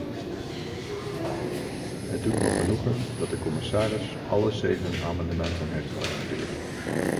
Het doet me genoegen dat de commissaris alle zeven amendementen heeft geaccepteerd.